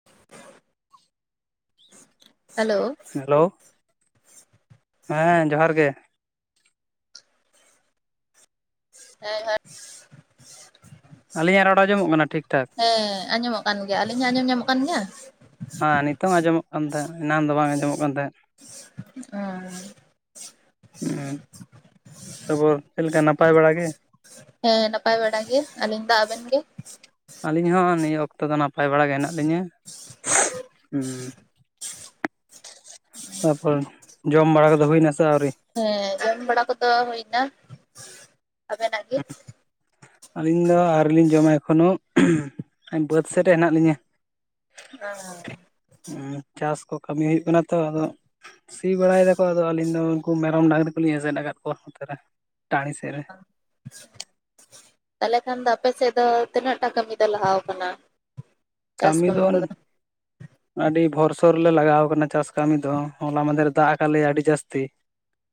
[inaudible] [inaudible] Hello. ᱦᱮᱸ ᱡᱚᱸᱦᱟᱨ ᱜᱮ᱾ ᱦᱮᱸ ᱡᱚᱦᱟᱨ ᱾ ᱟᱹᱞᱤᱧᱟᱜ ᱨᱚᱲ ᱟᱸᱡᱚᱢᱚᱜ ᱠᱟᱱᱟ ᱴᱷᱤᱠ ᱴᱷᱟᱠ? ᱦᱮᱸ ᱟᱸᱡᱚᱢᱚᱜ ᱠᱟᱱ ᱜᱮᱭᱟ᱾ ᱟᱞᱤᱧᱟᱜ ᱟᱸᱡᱚᱢ ᱧᱟᱢᱚᱜ ᱠᱟᱱ ᱜᱮᱭᱟ? ᱦᱮᱸ ᱱᱤᱛᱚᱜ ᱟᱸᱡᱚᱢᱚᱜ ᱠᱟᱱ ᱛᱟᱦᱮᱸ, ᱮᱱᱟᱱ ᱫᱚ ᱵᱟᱝ ᱟᱸᱡᱚᱢᱚᱜ ᱠᱟᱱ ᱛᱟᱦᱮᱸᱫ ᱾ ᱚ ᱦᱩᱸ ᱛᱟᱯᱚᱨ ᱪᱮᱫ ᱞᱮᱠᱟ ᱱᱟᱯᱟᱭ ᱵᱟᱲᱟ ᱜᱮ? ᱦᱮᱸ ᱱᱟᱯᱟᱭ ᱵᱟᱲᱟ ᱜᱮ ᱟᱹᱞᱤᱧ ᱫᱚ ᱾ ᱟᱵᱮᱱ ᱜᱮ? ᱟᱹᱞᱤᱧ ᱦᱚᱸ ᱱᱤᱭᱟᱹ ᱚᱠᱛᱚ ᱫᱚ ᱱᱟᱯᱟᱭ ᱵᱟᱲᱟ ᱜᱮ ᱦᱮᱱᱟᱜ ᱞᱤᱧᱟᱹ ᱦᱮᱸ ᱾ ᱛᱟᱯᱚᱨ ᱡᱚᱢ ᱵᱟᱲᱟ ᱠᱚᱫᱚ ᱦᱩᱭ ᱱᱟ ᱥᱮ ᱟᱹᱣᱨᱤ? ᱦᱮᱸ ᱡᱚᱢ ᱵᱟᱲᱟ ᱠᱚᱫᱚ ᱦᱩᱭᱱᱟ ᱾ ᱟᱵᱮᱱᱟᱜ ᱜᱮ? ᱟᱹᱞᱤᱧ ᱫᱚ ᱟᱹᱣᱨᱤ ᱞᱤᱧ ᱡᱚᱢᱟ ᱮᱠᱷᱚᱱᱳ, ᱵᱟᱹᱫ ᱥᱮᱫ ᱨᱮ ᱦᱮᱱᱟᱜ ᱞᱤᱧᱟᱹ ᱾ [inaudible] ᱪᱟᱥ ᱠᱚ ᱠᱟᱹᱢᱤ ᱦᱩᱭᱩᱜ ᱠᱟᱱᱟ ᱛᱚ, ᱟᱫᱚ ᱥᱤ ᱵᱟᱲᱟᱭ ᱫᱟᱠᱚ ᱟᱫᱚ ᱟᱹᱞᱤᱧ ᱫᱚ ᱩᱱᱠᱩ ᱢᱮᱨᱚᱢ ᱰᱟᱝᱨᱤ ᱠᱚᱞᱤᱧ ᱮᱥᱮᱫ ᱟᱠᱟᱫ ᱠᱚᱣᱟ, ᱱᱚᱛᱨᱮ ᱴᱟᱺᱰᱤ ᱥᱮᱫ ᱨᱮ ᱾ [inaudible] ᱛᱟᱦᱚᱞᱮ ᱠᱷᱟᱱ ᱫᱚ ᱟᱯᱮ ᱥᱮᱫ ᱫᱚ, ᱛᱤᱱᱟᱹᱜ ᱴᱟ ᱠᱟᱹᱢᱤ ᱫᱚ ᱞᱟᱦᱟ ᱟᱠᱟᱱᱟ? ᱪᱟᱥ ᱠᱟᱹᱢᱤ ᱫᱚ ᱠᱚᱫᱚ ᱟᱹᱰᱤ ᱵᱷᱚᱨᱥᱳᱨᱞᱮ ᱞᱟᱜᱟᱣ ᱟᱠᱟᱱᱟ, ᱪᱟᱥ ᱠᱟᱹᱢᱤ ᱫᱚ ᱦᱚᱞᱟ ᱢᱟᱫᱮᱨ ᱨᱮ ᱫᱟᱜ ᱟᱠᱟᱫ ᱞᱮᱭᱟ ᱟᱹᱰᱤ ᱡᱟᱹᱥᱛᱤ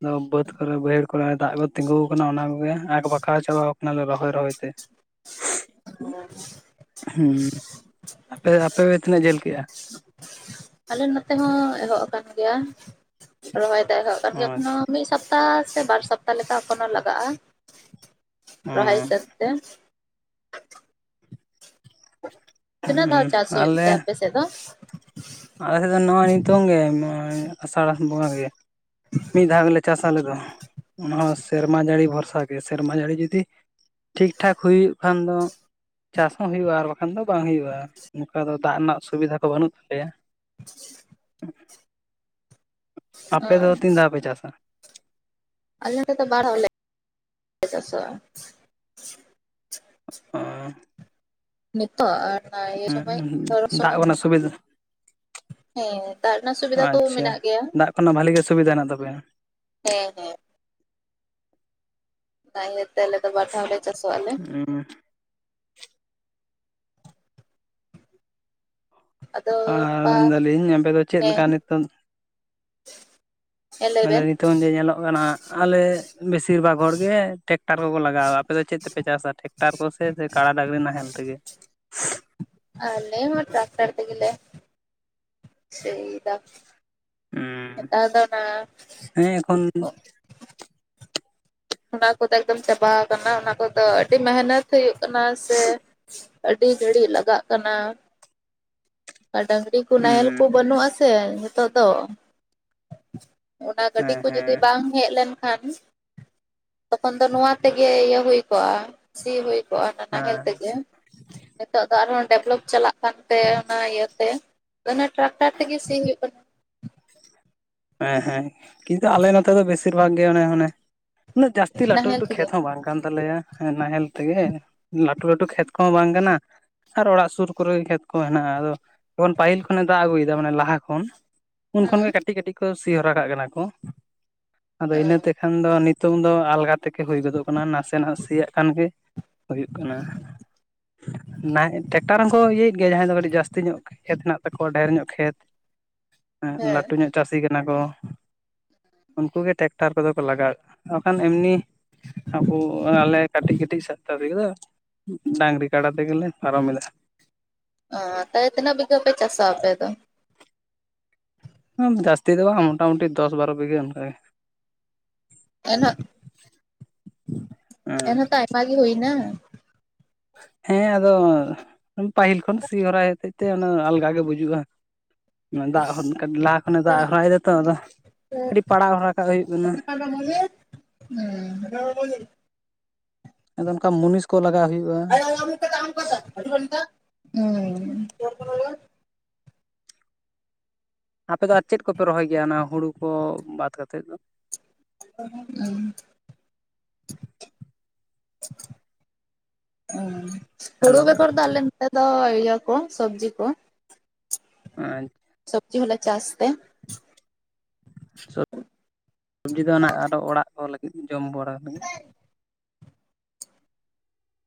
ᱟᱫᱚ ᱵᱟᱹᱫᱽ ᱠᱚᱨᱮ ᱵᱟᱹᱭᱦᱟᱹᱲ ᱠᱚᱨᱮ ᱫᱟᱜ ᱠᱚ ᱛᱤᱸᱜᱩ ᱟᱠᱟᱱᱟ᱾ ᱚᱱᱟ ᱠᱚᱜᱮ ᱟᱠᱵᱟᱠᱟᱣ ᱪᱟᱵᱟᱣ ᱠᱟᱱᱟ ᱞᱮ ᱨᱚᱦᱚᱭ, ᱨᱚᱦᱚᱭ ᱛᱮ ᱾ [inaudible] ᱦᱮᱸ ᱾ ᱟᱯᱮ, ᱟᱯᱮ ᱛᱤᱱᱟᱹᱜ ᱡᱷᱟᱹᱞ ᱠᱮᱜᱼᱟ? ᱟᱞᱮ ᱱᱚᱛᱮ ᱦᱚᱸ ᱮᱦᱚᱵ ᱟᱠᱟᱱ ᱜᱮᱭᱟ᱾ ᱨᱚᱦᱚᱭ ᱫᱚ ᱮᱦᱚᱵ ᱟᱠᱟᱱ ᱜᱮᱭᱟ ᱦᱩᱸ ᱮᱠᱷᱟᱱᱳ ᱢᱤᱫ ᱥᱚᱯᱛᱟ ᱥᱮ ᱵᱟᱨ ᱥᱚᱯᱛᱟ ᱞᱮᱠᱟ ᱮᱠᱷᱚᱱᱳ ᱞᱟᱜᱟᱜᱼᱟ, ᱨᱚᱦᱚᱭ ᱦᱤᱥᱟᱹᱵᱽ ᱛᱮ ᱾ ᱛᱤᱱᱟᱹᱜ ᱫᱷᱟᱣ ᱪᱟᱥ ᱦᱩᱭᱩᱜ ᱟᱞᱮ ᱛᱮ ᱟᱯᱮ ᱥᱮᱫ ᱫᱚ? ᱟᱞᱮ ᱫᱚ ᱱᱚᱜᱼᱚᱭ ᱱᱤᱛᱚᱝ ᱜᱮ ᱟᱸᱥᱟᱲ ᱵᱚᱸᱜᱟ ᱜᱮ ᱾ ᱢᱤᱫ ᱫᱷᱟᱣ ᱜᱮᱞᱮ ᱪᱟᱥᱟ ᱟᱞᱮ ᱫᱚ ᱾ ᱚᱱᱟ ᱦᱚᱸ ᱥᱮᱨᱢᱟ ᱡᱟᱹᱲᱤ ᱵᱷᱚᱨᱥᱟ ᱜᱮ, ᱥᱮᱨᱢᱟ ᱡᱟᱹᱲᱤ ᱡᱩᱫᱤ ᱴᱷᱤᱠ ᱴᱷᱟᱠ ᱦᱩᱭᱩᱜ ᱠᱷᱟᱱ ᱫᱚ ᱪᱟᱥ ᱦᱚᱸ ᱦᱩᱭᱩᱜᱼᱟ ᱟᱨ ᱵᱟᱠᱷᱟᱱ ᱫᱚ ᱵᱟᱝ ᱦᱩᱭᱩᱜᱼᱟ, ᱱᱚᱝᱠᱟ ᱫᱚ ᱫᱟᱜ ᱨᱮᱱᱟᱜ ᱥᱩᱵᱤᱫᱷᱟ ᱠᱚ ᱵᱟᱹᱱᱩᱜ ᱛᱟᱞᱮᱭᱟ ᱾ [inaudible] ᱟᱯᱮ ᱫᱚ ᱛᱤᱱ ᱫᱷᱟᱣ ᱯᱮ ᱪᱟᱥᱟ? ᱟᱞᱮ ᱱᱚᱛᱚ ᱵᱟᱨ ᱫᱷᱟᱣ ᱞᱮ ᱪᱟᱥᱚᱜᱼᱟ᱾ ᱚ ᱱᱤᱛᱚᱜ ᱟᱨ ᱚᱱᱟ ᱤᱭᱟᱹ ᱥᱚᱢᱚᱭ ᱫᱷᱚᱨᱚᱱ ᱥᱚᱢᱚᱭ ᱾ ᱚᱥᱩᱵᱤᱫᱷᱟ ᱦᱮᱸ ᱫᱟᱜ ᱨᱮᱱᱟᱜ ᱥᱩᱵᱤᱫᱷᱟ ᱠᱚ ᱢᱮᱱᱟᱜ ᱯᱮᱭᱟ ᱾ ᱠᱷᱚᱱᱟᱜ ᱵᱷᱟᱜᱤ ᱜᱮ ᱫᱩᱵᱤᱫᱟ ᱢᱮᱱᱟᱜ ᱛᱟᱯᱮᱭᱟ ᱾ ᱦᱮᱸ, ᱦᱮᱸ ᱾ ᱚᱱᱟ ᱤᱭᱟᱹᱛᱮ ᱟᱞᱮ ᱫᱚ ᱵᱟᱨ ᱫᱷᱟᱣ ᱞᱮ ᱪᱟᱥᱚᱜ ᱟᱞᱮ ᱾ ᱦᱮᱸ ᱾ ᱟᱫᱚ ᱟᱨ ᱱᱚᱝᱠᱟ ᱢᱮᱱ ᱫᱟᱞᱤᱧ ᱟᱯᱮ ᱫᱚ ᱪᱮᱫ ᱞᱮᱠᱟ ᱱᱤᱛᱚᱜ ᱪᱮᱫ ᱞᱟᱹᱭ ᱢᱮᱱᱫᱟ ᱵᱮᱱ ᱾ ᱱᱤᱛᱚᱝ ᱡᱮ ᱧᱮᱞᱚᱜ ᱠᱟᱱᱟ, ᱟᱞᱮ ᱵᱮᱥᱤᱨ ᱵᱷᱟᱜᱽ ᱦᱚᱲ ᱜᱮ ᱴᱮᱠᱴᱟᱨ ᱠᱚᱠᱚ ᱞᱟᱜᱟᱣᱟ, ᱟᱯᱮ ᱫᱚ ᱪᱮᱫ ᱛᱮᱯᱮ ᱪᱟᱥᱟ ᱴᱟᱠᱴᱟᱨ ᱠᱚ ᱥᱮ ᱠᱟᱰᱟ-ᱰᱟᱝᱜᱽᱨᱤ ᱱᱟᱦᱮᱞ ᱛᱮᱜᱮ? ᱟᱞᱮ ᱢᱟ ᱴᱟᱠᱴᱟᱨ ᱛᱮᱜᱮ ᱥᱤ᱾ ᱦᱩᱸ ᱱᱮᱛᱟᱨ ᱫᱚ ᱚᱱᱟ᱾ ᱦᱮᱸ ᱮᱠᱷᱚᱱ [unintelligible] ᱚᱱᱟ ᱠᱚᱫᱚ ᱮᱠᱫᱚᱢ ᱪᱟᱵᱟ ᱟᱠᱟᱱᱟ, ᱚᱱᱟ ᱠᱚᱫᱚ ᱟᱹᱰᱤ ᱢᱮᱦᱱᱚᱛ ᱦᱩᱭᱩᱜ ᱠᱟᱱᱟ ᱥᱮ᱾ ᱟᱹᱰᱤ ᱜᱷᱟᱹᱲᱤᱡ ᱞᱟᱜᱟᱜ ᱠᱟᱱᱟ᱾ ᱟᱨ ᱰᱟᱝᱜᱽᱨᱤ ᱠᱚ ᱱᱟᱦᱮᱞ ᱦᱩᱸ ᱠᱚ ᱵᱟᱹᱱᱩᱜ ᱟᱥᱮ ᱱᱤᱛᱳᱜ ᱫᱚ᱾ ᱚᱱᱟ ᱜᱟᱹᱰᱤ ᱦᱮᱸ ᱠᱚ ᱡᱩᱫᱤ ᱦᱮᱸ ᱵᱟᱝ᱾ ᱦᱮᱡ ᱞᱮᱱᱠᱷᱟᱱ ᱛᱚᱠᱷᱚᱱ ᱫᱚ ᱱᱚᱣᱟ ᱛᱮᱜᱮ ᱤᱭᱟᱹ ᱦᱩᱭ ᱠᱚᱜᱼᱟ᱾ ᱥᱤ ᱦᱩᱭ ᱠᱚᱜᱼᱟ, ᱱᱟᱦᱮᱞ ᱦᱮᱸ ᱛᱮᱜᱮ᱾ ᱱᱤᱛᱚᱜ ᱫᱚ ᱟᱨᱦᱚᱸ ᱰᱮᱵᱷᱞᱚᱯ ᱪᱟᱞᱟᱜ ᱠᱟᱱᱛᱮ᱾ ᱚᱱᱟ ᱤᱭᱟᱹᱛᱮ ᱴᱨᱟᱠᱴᱟᱨ ᱛᱮᱜᱮ ᱥᱤ ᱦᱩᱭᱩᱜ ᱠᱟᱱᱟ᱾ ᱦᱮᱸ ᱦᱮᱸ ᱠᱤᱱᱛᱩ ᱟᱞᱮ ᱱᱚᱛᱮ ᱫᱚ ᱵᱮᱥᱤᱨ ᱵᱷᱟᱜᱽ ᱜᱮ ᱚᱱᱮ ᱚᱱᱮ᱾ ᱩᱱᱟᱹᱜ ᱡᱟᱹᱥᱛᱤ ᱞᱟᱹᱴᱩ ᱱᱟᱦᱮᱞ ᱞᱟᱹᱴᱩ ᱛᱮᱜᱮ ᱠᱷᱮᱛ ᱦᱚᱸ ᱵᱟᱝ ᱠᱟᱱ ᱛᱟᱞᱮᱭᱟ᱾ ᱦᱮ ᱱᱟᱦᱮᱞ ᱛᱮᱜᱮ ᱞᱟᱹᱴᱩ ᱞᱟᱹᱴᱩ ᱠᱷᱮᱛ ᱠᱚᱦᱚᱸ ᱵᱟᱝ ᱠᱟᱱᱟ᱾ ᱟᱨ ᱚᱲᱟᱜ ᱥᱩᱨ ᱠᱚᱨᱮ ᱠᱷᱮᱛ ᱠᱚ ᱦᱮᱱᱟᱜᱼᱟ, ᱟᱫᱚ ᱡᱮᱠᱷᱚᱱ ᱯᱟᱹᱦᱤᱞ ᱠᱷᱚᱱᱮ ᱫᱟᱜ ᱟᱹᱜᱩᱭᱮᱫᱟ ᱢᱟᱱᱮ ᱞᱟᱦᱟ ᱠᱷᱚᱱ᱾ ᱩᱱ ᱠᱷᱚᱱ ᱜᱮ ᱦᱩᱸ ᱠᱟᱹᱴᱤᱡ ᱠᱟᱹᱴᱤᱡ ᱠᱚ ᱥᱤ ᱦᱚᱨᱟ ᱠᱟᱜ ᱠᱟᱱᱟ ᱠᱚ ᱟᱫᱚ ᱤᱱᱟᱹᱛᱮ᱾ ᱠᱷᱟᱱ ᱫᱚ ᱱᱤᱛᱚᱜ ᱫᱚ ᱟᱞᱜᱟ ᱛᱮᱜᱮ ᱦᱩᱭ ᱜᱚᱫᱚᱜ ᱠᱟᱱᱟ, ᱱᱟᱥᱮ ᱱᱟᱥᱮ ᱱᱟᱜ ᱥᱤᱭᱟᱜ ᱠᱷᱟᱱ ᱜᱮ᱾ ᱦᱩᱭᱩᱜ ᱠᱟᱱᱟ, ᱱᱟᱦ ᱴᱮᱠᱴᱟᱨ ᱦᱚᱸᱠᱚ ᱤᱭᱟᱹᱭᱮᱫ ᱜᱮᱭᱟ᱾ ᱡᱟᱦᱟᱸᱭ ᱫᱚ ᱠᱟᱹᱴᱤᱡ ᱡᱟᱹᱥᱛᱤ ᱧᱚᱜ᱾ ᱠᱷᱮᱛ ᱦᱮᱱᱟᱜ ᱛᱟᱠᱚᱣᱟ ᱰᱷᱮᱨ ᱧᱚᱜ ᱠᱷᱮᱛ, ᱦᱚᱸ ᱦᱮᱸ ᱞᱟᱹᱴᱩ ᱧᱚᱜ᱾ ᱪᱟᱹᱥᱤ ᱠᱟᱱᱟ ᱠᱚ ᱩᱱᱠᱩᱜ ᱜᱮ ᱴᱮᱠᱴᱟᱨ ᱠᱚᱫᱚ ᱠᱚ ᱞᱟᱜᱟᱣᱮᱫᱟ ᱵᱟᱠᱷᱟᱱ ᱮᱢᱱᱤ᱾ ᱟᱵᱚ ᱟᱞᱮ ᱠᱟᱹᱴᱤᱡ ᱠᱟᱹᱴᱤᱡ ᱥᱟᱯᱛᱟ ᱛᱮᱜᱮ ᱫᱚ ᱰᱟᱹᱝᱜᱽᱨᱤ ᱠᱟᱰᱟ ᱛᱮᱜᱮᱞᱮ ᱯᱟᱨᱚᱢ ᱮᱫᱟ᱾ ᱚ ᱛᱟᱹᱭ ᱛᱤᱱᱟᱹᱜ ᱵᱤᱜᱷᱟᱹ ᱯᱮ ᱪᱟᱥᱟ ᱟᱯᱮ ᱫᱚ? ᱡᱟᱹᱥᱛᱤ ᱫᱚ ᱵᱟᱝ ᱢᱚᱴᱟᱢᱩᱴᱤ ᱫᱚᱥ ᱵᱟᱨᱚ ᱵᱤᱜᱷᱟ ᱚᱱᱠᱟ ᱜᱮ᱾ ᱮᱱ ᱦᱚᱸ [unintelligible] ᱮᱱ ᱦᱚᱛᱚ ᱟᱭᱢᱟ ᱜᱮ ᱦᱩᱭᱱᱟ᱾ ᱦᱮᱸ ᱟᱫᱚ ᱯᱟᱹᱦᱤᱞ ᱠᱷᱚᱱ ᱥᱤ ᱦᱚᱨᱟᱭ ᱦᱚᱛᱮᱡ ᱛᱮ ᱟᱞᱜᱟ ᱜᱮ ᱵᱩᱡᱩᱜᱼᱟ᱾ ᱫᱟᱜ ᱞᱟᱦᱟ ᱠᱷᱚᱱᱮ ᱫᱟᱜ ᱦᱚᱨᱟᱭ ᱫᱟᱛᱚ ᱟᱫᱚ ᱠᱟᱹᱴᱤᱡ ᱯᱟᱲᱟᱜ ᱦᱚᱨᱟ ᱠᱟᱜ ᱦᱩᱭᱩᱜ ᱠᱟᱱᱟ᱾ [unintelligible] ᱟᱫᱚ ᱚᱱᱠᱟ ᱢᱩᱱᱤᱥ ᱠᱚ ᱞᱟᱜᱟᱣ ᱦᱩᱭᱩᱜ᱾ [unintelligible] ᱟᱯᱮ ᱫᱚ ᱟᱨ ᱪᱮᱫ ᱠᱚᱯᱮ ᱨᱚᱦᱚᱭ ᱜᱮᱭᱟ, ᱚᱱᱟ ᱦᱩᱲᱩ ᱠᱚ ᱵᱟᱫ ᱠᱟᱛᱮᱫ ᱫᱚ? [unintelligible] ᱩᱸ ᱦᱩᱲᱩ ᱦᱮᱞᱳ ᱵᱮᱜᱚᱨ ᱫᱚ ᱟᱞᱮ ᱱᱚᱰᱮ ᱫᱚ ᱤᱭᱟᱹ ᱠᱚ ᱥᱚᱵᱽᱡᱤ ᱠᱚ ᱾ [unintelligible] ᱥᱚᱵᱽᱡᱤ ᱦᱚᱞᱮ ᱪᱟᱥ ᱛᱮ᱾ ᱥᱚᱵᱽᱡᱤ ᱫᱚ ᱚᱱᱟ ᱟᱨᱚ ᱚᱲᱟᱜ ᱠᱚ ᱞᱟᱹᱜᱤᱫ ᱡᱚᱢ ᱵᱟᱲᱟ ᱞᱟᱹᱜᱤᱫ ᱾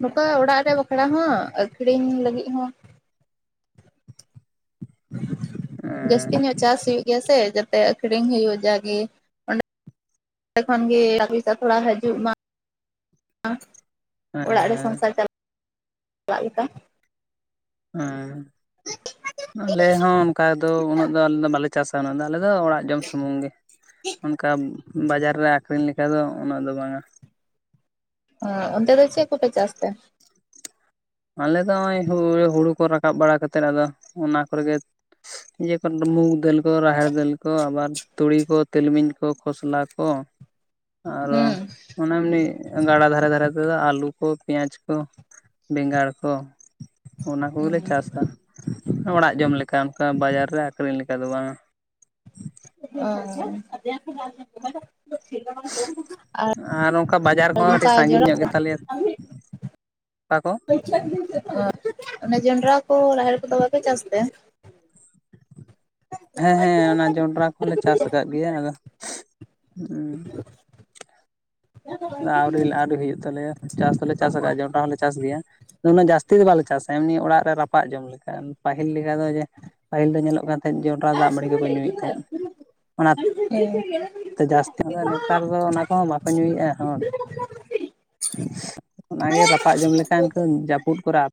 ᱱᱚᱝᱠᱟ ᱚᱲᱟᱜ ᱨᱮ ᱵᱟᱠᱷᱨᱟ ᱦᱚᱸ ᱟᱠᱠᱷᱨᱤᱧ ᱞᱟᱹᱜᱤᱫ ᱦᱚᱸ ᱾ ᱦᱮᱸ ᱡᱟᱹᱥᱛᱤ ᱧᱚᱜ ᱪᱟᱥ ᱦᱩᱭᱩᱜ ᱜᱮᱭᱟ ᱥᱮ ᱡᱟᱛᱮ ᱟᱠᱷᱨᱤᱧ ᱦᱩᱭᱩᱜ ᱡᱟᱜᱮ᱾ ᱚᱸᱰᱮ ᱠᱷᱚᱱ ᱜᱮ [inaudible] ᱛᱷᱚᱲᱟ ᱦᱤᱡᱩᱜ ᱢᱟ᱾ ᱚᱲᱟᱜ ᱨᱮ ᱥᱚᱝᱥᱟᱨ ᱪᱟᱞ ᱪᱟᱞᱟᱜ ᱞᱮᱠᱟ᱾ ᱮᱸ ᱟᱞᱮ ᱦᱚᱸ ᱚᱱᱠᱟ ᱫᱚ ᱩᱱᱟᱹᱜ ᱫᱚ ᱟᱞᱮ ᱫᱚ ᱵᱟᱞᱮ ᱪᱟᱥᱟ ᱩᱱᱟᱹᱜ ᱫᱚ ᱟᱞᱮ ᱫᱚ ᱚᱲᱟᱜ ᱡᱚᱢ ᱥᱩᱢᱩᱝ ᱜᱮ ᱾ ᱚᱱᱠᱟ ᱵᱟᱡᱟᱨ ᱨᱮ ᱟᱹᱠᱷᱨᱤᱧ ᱞᱮᱠᱟ ᱫᱚ ᱩᱱᱟᱹᱜ ᱫᱚ ᱵᱟᱝᱟ ᱾ ᱦᱩᱸ ᱚᱱᱰᱮ ᱫᱚ ᱪᱮᱫ ᱠᱚᱯᱮ ᱪᱟᱥ ᱛᱮ? ᱟᱞᱮ ᱫᱚ ᱱᱚᱜᱚᱭ ᱦᱳᱲᱳ ᱠᱚ ᱨᱟᱠᱟᱵ ᱵᱟᱲᱟ ᱠᱟᱛᱮᱫ ᱟᱫᱚ ᱚᱱᱟ ᱠᱚᱨᱮᱜᱮ ᱾ ᱱᱤᱭᱟᱹ ᱠᱚᱨᱮ ᱢᱩᱩᱜᱽ ᱫᱟᱹᱞ ᱠᱚ ᱨᱟᱦᱮᱲ ᱫᱟᱹᱞ ᱠᱚ ᱟᱵᱟᱨ ᱛᱩᱲᱤ ᱠᱚ ᱛᱤᱞᱢᱤᱧ ᱠᱚ ᱠᱷᱚᱥᱞᱟ ᱠᱚ ᱾ ᱟᱨᱚ ᱦᱩᱸ ᱢᱟᱱᱮ ᱮᱢᱱᱤ ᱜᱟᱰᱟ ᱫᱷᱟᱨᱮ- ᱫᱷᱟᱨᱮ ᱛᱮᱫᱚ ᱟᱹᱞᱩ ᱠᱚ ᱯᱮᱸᱭᱟᱡᱽ ᱠᱚ ᱾ ᱵᱮᱸᱜᱟᱲ ᱠᱚ ᱚᱱᱟ ᱠᱚᱜᱮᱞᱮ ᱪᱟᱥᱟ ᱾ ᱚᱲᱟᱜ ᱡᱚᱢ ᱞᱮᱠᱟ ᱚᱱᱠᱟ ᱵᱟᱡᱟᱨ ᱨᱮ ᱟᱹᱠᱷᱨᱤᱧ ᱞᱮᱠᱟ ᱫᱚ ᱵᱟᱝᱟ ᱾ ᱟᱪᱷᱟ ᱟᱨ ᱚᱱᱠᱟ ᱵᱟᱡᱟᱨ ᱠᱚᱦᱚᱸ ᱟᱹᱰᱤ ᱱᱚᱝᱠᱟ ᱥᱟᱺᱜᱤᱧ ᱡᱚᱱᱰᱨᱟ ᱧᱚᱜ ᱜᱮ ᱛᱟᱞᱮᱭᱟ ᱟᱠᱟ ᱠᱚ ᱚᱱᱮ ᱡᱚᱱᱰᱨᱟ ᱠᱚ ᱨᱟᱦᱮᱲ ᱠᱚᱫᱚ ᱵᱟᱯᱮ ᱪᱟᱥ ᱛᱮ? ᱦᱮᱸᱻᱦᱮᱸ ᱚᱱᱟ ᱡᱚᱱᱰᱨᱟ ᱠᱚᱦᱚᱸᱞᱮ ᱪᱟᱥ ᱟᱠᱟᱫ ᱜᱮᱭᱟ ᱟᱫᱚ ᱟ. ᱣᱨᱤ-ᱟᱹᱣᱨᱤ ᱦᱩᱭᱩᱜ ᱛᱟᱞᱮᱭᱟ ᱪᱟᱥ ᱫᱚᱞᱮ ᱪᱟᱥ ᱟᱠᱟᱟᱜᱼᱟ ᱡᱚᱱᱰᱨᱟ ᱦᱚᱸᱞᱮ ᱪᱟᱥ ᱜᱮᱭᱟ ᱾ ᱩᱱᱟᱜ ᱡᱟᱹᱥᱛᱤ ᱫᱚ ᱵᱟᱞᱮ ᱪᱟᱥᱟ ᱮᱢᱱᱤ ᱚᱲᱟᱜ ᱨᱮ ᱨᱟᱯᱟᱜ ᱡᱚᱢ ᱞᱮᱠᱟ ᱯᱟᱹᱤᱞ ᱞᱮᱠᱟ ᱫᱚ ᱡᱮ ᱯᱟᱹᱦᱤᱞ ᱫᱚ ᱧᱮᱞᱚᱜ ᱠᱟᱱ ᱦᱮᱸᱡ ᱡᱚᱱᱰᱨᱟ ᱫᱟᱜ ᱢᱟᱹᱲᱤ ᱠᱚᱠᱚ ᱧᱩᱭᱮᱫ ᱛᱟᱦᱮᱸᱜ ᱚᱱᱟᱛᱮ ᱡᱟᱹᱥᱛᱤ ᱫᱚ ᱱᱮᱛᱟᱨ ᱫᱚ ᱚᱱᱟ ᱠᱚᱦᱚᱸ ᱵᱟᱠᱚ ᱧᱩᱭᱮᱫᱼᱟ ᱾ ᱚᱱᱟᱜᱮ ᱨᱟᱯᱟᱜ ᱡᱚᱢ ᱞᱮᱠᱷᱟᱱ ᱡᱟᱹᱯᱩᱫ ᱠᱚᱨᱮ ᱟᱯ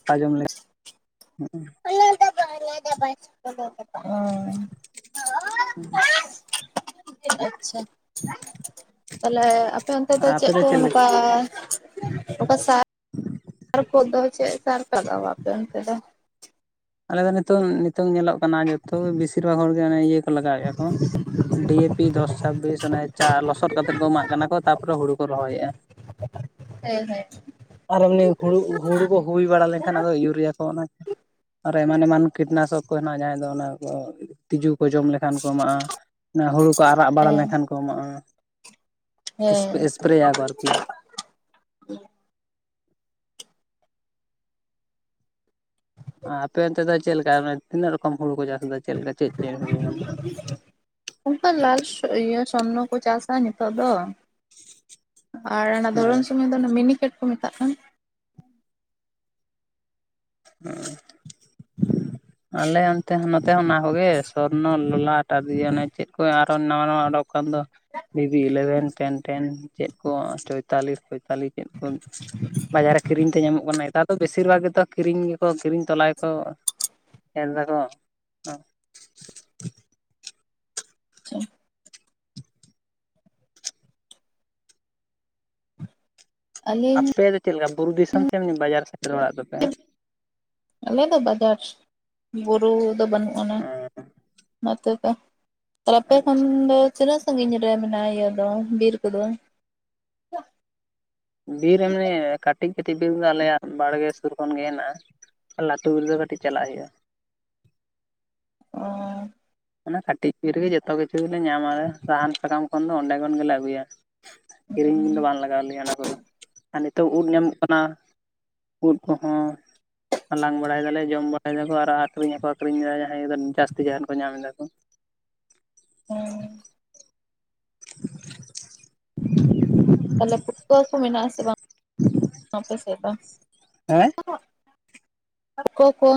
ᱨᱟᱯᱟᱜ ᱡᱚᱢ ᱞᱮᱠᱟ ᱞᱟᱭ ᱦᱮᱸ ᱟᱪᱷᱟ ᱛᱟᱦᱞᱮ ᱟᱯᱮ ᱚᱱᱛᱮ ᱫᱚ ᱪᱮᱫ ᱠᱚ ᱱᱚᱝᱠᱟ ᱚᱠᱟ ᱥᱟ ᱟᱨ ᱠᱷᱚᱛ ᱫᱚ ᱪᱮᱫ ᱥᱟᱨ ᱞᱟᱜᱟᱣᱟᱯᱮ ᱚᱱᱛᱮ ᱫᱚ ᱟᱞᱮ ᱫᱚ ᱱᱤᱛᱚᱝ-ᱱᱤᱛᱚᱝ ᱧᱮᱞᱚᱜ ᱠᱟᱱᱟ ᱡᱚᱛᱚ ᱵᱮᱥᱤᱨ ᱵᱷᱟᱜᱽ ᱦᱚᱲᱜ ᱤᱭᱟᱹ ᱠᱚ ᱞᱟᱜᱟᱣᱮᱜᱼᱟ ᱠᱚ ᱾ ᱰᱤ ᱮ ᱯᱤ ᱫᱚᱥ ᱪᱷᱟᱵᱵᱤᱥ ᱚᱱᱮ ᱪᱟ ᱞᱚᱥᱚᱫ ᱠᱟᱛᱮᱫ ᱠᱚ ᱮᱢᱟᱜ ᱠᱟᱱᱟ ᱠᱚ ᱛᱟᱯᱚᱨᱮ ᱦᱳᱲᱳ ᱠᱚ ᱨᱚᱦᱚᱭᱮᱜ-ᱟ ᱾ ᱵᱟᱝ ᱟᱸᱡᱚᱢᱚᱜ ᱠᱟᱱᱟ ᱾ ᱦᱚᱭ-ᱦᱚᱭ ᱟᱨ ᱮᱢᱱᱤ ᱦᱳᱲᱳ-ᱦᱳᱲᱳ ᱠᱚ ᱦᱩᱭ ᱵᱟᱲᱟ ᱞᱮᱱᱠᱷᱟᱱ ᱟᱫᱚ ᱤᱭᱩᱨᱤᱭᱟ ᱠᱚ ᱚᱱᱟ ᱾ ᱟᱨᱚ ᱮᱢᱟᱱ ᱮᱢᱟᱱ ᱠᱤᱴᱱᱟᱥᱚᱠ ᱠᱚ ᱦᱮᱱᱟᱜᱼᱟ ᱡᱟᱦᱟᱸᱟᱭ ᱫᱚ ᱚᱱᱟ ᱠᱚ ᱛᱤᱡᱩ ᱠᱚ ᱡᱚᱢ ᱞᱮᱠ ᱠᱷᱟᱱ ᱠᱚ ᱮᱢᱟᱜᱼᱟ ᱦᱳᱲᱳ ᱠᱚ ᱟᱨᱟᱜ ᱵᱟᱲᱟ ᱦᱮᱸ ᱞᱮᱱᱠᱷᱟᱱ ᱠᱚ ᱮᱢᱟᱜᱼᱟ ᱦᱮᱸ ᱾ ᱮᱯᱨᱮᱭᱟ ᱠᱚ ᱟᱨᱠᱤ ᱟᱯᱮ ᱚᱱᱛᱮ ᱫᱚ ᱪᱮᱫ ᱞᱮᱠᱟ ᱚᱱᱮ ᱛᱤᱱᱟᱹᱜ ᱨᱚᱠᱚᱢ ᱦᱳᱲᱳ ᱠᱚ ᱪᱟᱥ ᱮᱫᱟ ᱪᱮᱫ ᱞᱮᱠᱟ ᱪᱮᱫ-ᱪᱮᱫ ᱦᱳᱲᱳ? ᱚᱱᱠᱟ ᱞᱟᱞ ᱤᱭᱟᱹ ᱥᱚᱨᱱᱚ ᱠᱚ ᱪᱟᱥᱟ ᱱᱤᱛᱚᱜ ᱫᱚ ᱾ ᱟᱨ ᱚᱱᱟ ᱦᱮᱸ ᱫᱷᱚᱨᱚᱱ ᱥᱚᱢᱚᱭ ᱫᱚ ᱚᱱᱟ ᱢᱤᱱᱤᱠᱮᱴ ᱠᱚ ᱢᱮᱛᱟᱜ ᱠᱟᱱᱟ ᱾ ᱦᱩᱸ ᱟᱞᱮ ᱚᱱᱛᱮ ᱦᱚᱸ ᱱᱚᱛᱮ ᱦᱚᱸ ᱚᱱᱟ ᱠᱚᱜᱮ ᱥᱚᱨᱱᱚ, ᱞᱚᱞᱟᱴᱟᱫ ᱚᱱᱮ ᱪᱮᱫ ᱠᱚ ᱟᱨᱚ ᱱᱟᱣᱟ-ᱱᱟᱣᱟ ᱚᱰᱚᱠ ᱫᱚᱠᱟᱱ ᱫᱚ ᱵᱤᱵᱤ ᱤᱞᱮᱵᱷᱮᱱ ᱴᱮᱱ ᱴᱮᱱ ᱪᱮᱫ ᱠᱚ ᱪᱚᱭᱛᱟᱞᱤ-ᱪᱚᱭᱛᱟᱞᱤᱥ ᱪᱮᱫ ᱠᱚ ᱵᱟᱡᱟᱨ ᱨᱮ ᱠᱤᱨᱤᱝ ᱛᱮ ᱧᱟᱢᱚᱜ ᱠᱟᱱᱟ ᱱᱮᱛᱟᱨ ᱫᱚ ᱵᱤᱥᱤᱨ ᱵᱷᱟᱜᱽ ᱜᱮᱛᱚ ᱠᱤᱨᱤᱝ ᱜᱮᱠᱚ ᱠᱤᱨᱤᱝ ᱛᱚᱞᱟᱭᱟᱠᱚ ᱮᱨ ᱫᱟᱠᱚ ᱟᱹᱞᱤᱧ ᱟᱯᱮ ᱫᱚ ᱪᱮᱫ ᱞᱮᱠᱟ ᱵᱩᱨᱩ ᱫᱤᱥᱚᱢ ᱥᱮᱢ ᱵᱟᱡᱟᱨ ᱥᱮᱴᱮᱨ ᱚᱲᱟᱜ ᱛᱟᱯᱮ ᱟᱞᱮ ᱫᱚ ᱵᱟᱡᱟᱨ ᱵᱩᱨᱩ ᱫᱚ ᱵᱟᱹᱱᱩᱜ ᱟᱱᱟ ᱚᱱᱟᱛᱮ ᱠᱟ ᱟᱨ ᱟᱯᱮ ᱠᱷᱚᱱ ᱟᱪᱪᱷᱟ ᱫᱚ ᱛᱤᱱᱟᱹᱜ ᱥᱟᱺᱜᱤᱧ ᱨᱮ ᱢᱮᱱᱟᱜᱼᱟ ᱤᱭᱟᱹ ᱫᱚ ᱵᱤᱨ ᱠᱚᱫᱚ? ᱵᱤᱨ ᱮᱢᱱᱤ ᱠᱟᱹᱴᱤᱡ-ᱠᱟᱹᱴᱤᱡ ᱵᱤᱨ ᱫᱚ ᱟᱞᱮᱭᱟᱜ ᱵᱟᱲᱜᱮ ᱥᱩᱨ ᱠᱷᱚᱱ ᱜᱮ ᱦᱮᱱᱟᱜᱼᱟ ᱞᱟᱹᱴᱩ ᱵᱤᱨ ᱫᱚ ᱠᱟᱹᱴᱤᱡ ᱪᱟᱞᱟᱜ ᱦᱩᱭᱩᱜᱼᱟ ᱾ ᱚᱸᱻ ᱚᱱᱟ ᱠᱟᱹᱴᱤᱡ ᱵᱤᱨ ᱨᱮᱜᱮ ᱡᱚᱛᱚ ᱠᱤᱪᱷᱩ ᱜᱮᱞᱮ ᱧᱟᱢᱟ ᱥᱟᱦᱟᱱ ᱥᱟᱠᱟᱢ ᱠᱷᱚᱱ ᱫᱚ ᱚᱸᱰᱮ ᱠᱷᱚᱱ ᱜᱮᱞᱮ ᱟᱹᱜᱩᱭᱟ ᱾ ᱠᱤᱨᱤᱝ ᱫᱚ ᱵᱟᱝ ᱞᱟᱜᱟᱣ ᱞᱮᱭᱟ ᱚᱱᱟ ᱠᱚᱫᱚ ᱟᱨ ᱱᱤᱛᱚᱜ ᱩᱫ ᱧᱟᱢᱚᱜ ᱠᱟᱱᱟ ᱾ ᱩᱫ ᱠᱚ ᱦᱚᱸᱼᱼ ᱦᱟᱞᱟᱝ ᱵᱟᱲᱟᱭ ᱫᱟᱞᱮ ᱡᱚᱢ ᱵᱟᱲᱟᱭ ᱫᱟᱠᱚ ᱟᱨ ᱟᱠᱷᱨᱤᱝ ᱦᱚᱸ ᱠᱚ ᱟᱠᱷᱨᱤᱝ ᱮᱫᱟ ᱡᱟᱦᱟᱸᱭ ᱡᱟᱹᱥᱛᱤ ᱡᱟᱦᱟᱱ ᱠᱚ ᱧᱟᱢ ᱮᱫᱟ ᱾ ᱚᱜ ᱦᱮᱸ ᱾ ᱛᱟᱦᱞᱮ ᱯᱩᱴᱠᱟᱹ ᱠᱚ ᱢᱮᱱᱟᱜᱼᱟ ᱥᱮ ᱵᱟᱝ ᱟᱯᱮ ᱥᱮᱫ ᱫᱚ? ᱦᱮᱸ [unintelligible] ᱟᱨ ᱚ ᱠᱚ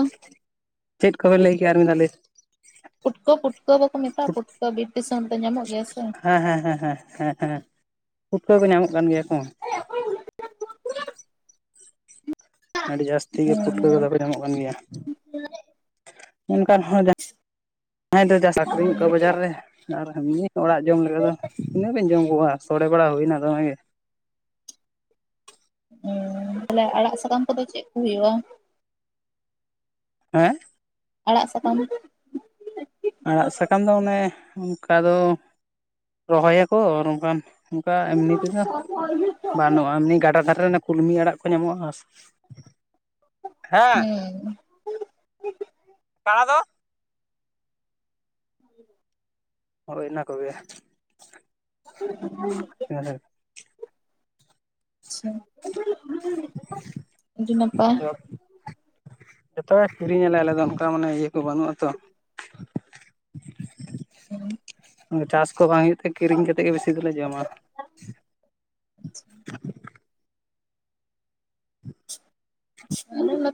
ᱪᱮᱫ ᱠᱚᱵᱮᱱ ᱞᱟᱹᱭ ᱠᱮᱜᱼᱭᱟ ᱟᱨ ᱢᱤᱫ ᱫᱷᱟᱣ ᱞᱟᱹᱭᱼᱼ ᱩᱫ ᱠᱚ ᱯᱩᱴᱠᱟᱹ ᱠᱚᱠᱚ ᱢᱮᱛᱟᱜ ᱯᱩᱴᱠᱟᱹ ᱵᱤᱨ ᱫᱤᱥᱚᱢ ᱫᱚ ᱧᱟᱢᱚᱜ ᱜᱮᱭᱟ ᱥᱮ ᱾ ᱦᱮᱸ ᱦᱮᱸ ᱦᱮᱸ ᱦᱮᱸ ᱦᱮᱸ, ᱯᱩᱴᱠᱟᱹ ᱠᱚ ᱧᱟᱢᱚᱜ ᱠᱟᱱ ᱜᱮᱭᱟ ᱠᱚ ᱾ ᱦᱮᱸ ᱚᱠᱚᱭ ᱢᱮᱱᱟᱜ ᱛᱟᱯᱮᱭᱟ [unintelligible] ᱟᱹᱰᱤ ᱡᱟᱹᱥᱛᱤ ᱜᱮ ᱯᱩᱴᱠᱟᱹ ᱠᱚᱫᱚ ᱠᱚ ᱧᱟᱢᱚᱜ ᱠᱟᱱ ᱜᱮᱭᱟ ᱾ ᱚᱱᱠᱟ ᱦᱚᱲ ᱡᱟᱦᱟᱸᱭ ᱫᱚ ᱡᱟᱥ ᱟᱠᱷᱨᱤᱝ ᱟᱠᱚ ᱵᱟᱡᱟᱨ ᱨᱮ ᱟᱨᱦᱚᱸ [unintelligible] ᱚᱲᱟᱜ ᱡᱚᱢ ᱞᱮᱠᱟ ᱫᱚ ᱛᱤᱱᱟᱹᱜᱵᱤᱱ ᱡᱚᱢ ᱠᱚᱣᱟ ᱥᱚᱲᱮ ᱵᱟᱲᱟ ᱦᱩᱭᱱᱟ ᱫᱚᱢᱮ ᱜᱮ ᱾ ᱩᱸ ᱛᱟᱦᱚᱞᱮ ᱟᱲᱟᱜ ᱥᱟᱠᱟᱢ ᱠᱚᱫᱚ ᱪᱮᱫ ᱠᱚ ᱦᱩᱭᱩᱜᱼᱟ? ᱦᱮᱸ ᱟᱲᱟᱜ ᱥᱟᱠᱟᱢᱼᱼ ᱟᱲᱟᱜ ᱥᱟᱠᱟᱢ ᱫᱚ ᱚᱱᱮ ᱚᱝᱠᱟ ᱫᱚ ᱨᱚᱦᱚᱭ ᱟᱠᱚ ᱟᱨ ᱵᱟᱝᱠᱷᱟᱱᱼᱼ ᱚᱝᱠᱟ ᱮᱢᱱᱤ ᱛᱮᱫᱚ ᱵᱟᱱᱩᱜᱼᱟ ᱮᱢᱱᱤ ᱜᱟᱰᱟ ᱫᱷᱟᱨᱮ ᱨᱮᱱᱼᱼ ᱠᱩᱞᱢᱤ ᱟᱲᱟᱜ ᱠᱚ ᱧᱟᱢᱚᱜᱼᱟ ᱥᱮ ᱾ ᱦᱮᱸ ᱠᱟᱬᱟ ᱫᱚᱼᱼ [inaudible] ᱦᱚᱭ ᱤᱱᱟᱹ ᱠᱚᱜᱮ ᱾ [unintelligible] ᱟᱪᱪᱷᱟ [inaudible] ᱟᱹᱰᱤ ᱱᱟᱯᱟᱭ ᱾ ᱡᱚᱛᱚ ᱜᱮ ᱠᱤᱨᱤᱝ ᱟᱞᱮ ᱟᱞᱮ ᱫᱚ ᱚᱝᱠᱟ ᱢᱟᱱᱮ ᱤᱭᱟᱹ ᱠᱚ ᱵᱟᱹᱱᱩᱜᱼᱟ ᱛᱚ ᱾ [inaudible] [unintelligible] ᱪᱟᱥ ᱠᱚ ᱵᱟᱝ ᱦᱩᱭᱩᱜ ᱛᱮ ᱠᱤᱨᱤᱝ ᱠᱟᱛᱮᱫ ᱜᱮ ᱵᱤᱥᱤ ᱫᱚᱞᱮ ᱡᱚᱢᱟ ᱾ [inaudible] ᱟᱪᱪᱷᱟ [unintelligible]